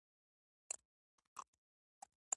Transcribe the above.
ټولو وخندل او لیاخوف ته یې غیر مستقیم پیغام ورکړ